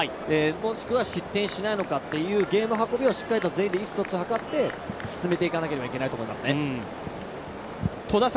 もしくは失点しないのかというゲーム運びを全員で意思疎通を図って進めていかなければいけないと思いますね。